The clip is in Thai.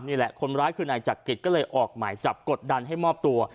นี่แหละคนร้ายคือนายจักริตก็เลยออกหมายจับกดดันให้มอบตัว